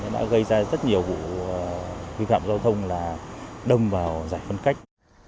đã gây ra rất nhiều vụ vi phạm giao thông là đâm vào giải phân cách